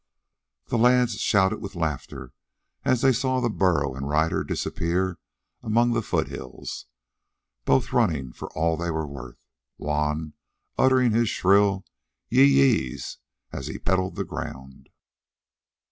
The lads shouted with laughter as they saw burro and rider disappear among the foothills, both running for all they were worth, Juan uttering his shrill "yi yi's," as he pedaled the ground.